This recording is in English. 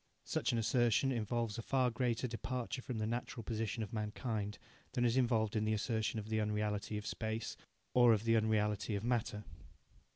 Such an assertion involves a far greater departure from the natural position of mankind than is involved in the assertion of the unreality of Space or of the unreality of Matter.